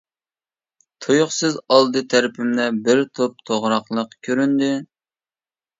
تۇيۇقسىز ئالدى تەرىپىمدە بىر توپ توغراقلىق كۆرۈندى.